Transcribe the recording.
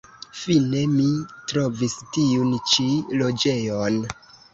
Fine mi trovis tiun ĉi loĝejon.